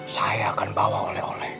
saya akan bawa oleh oleh